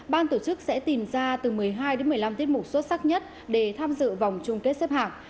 ban tổ chức sẽ tìm ra từ một mươi hai đến một mươi năm tiết mục xuất sắc nhất để tham dự vòng chung kết xếp hạng